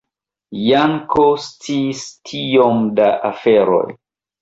Janko sciis tiom da aferoj!